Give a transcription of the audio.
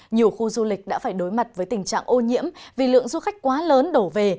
nhiều khu du lịch đã phải đối mặt với tình trạng ô nhiễm vì lượng du khách quá lớn đổ về